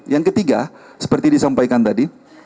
yang ketiga seperti disampaikan tadi